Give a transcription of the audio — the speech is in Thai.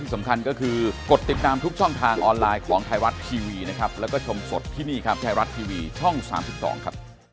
สวัสดีครับ